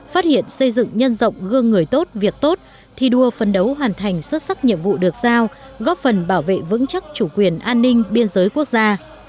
phát hiện xây dựng nhân rộng gương người tốt việc tốt thi đua phấn đấu hoàn thành xuất sắc nhiệm vụ được giao góp phần bảo vệ vững chắc chủ quyền an ninh biên giới quốc gia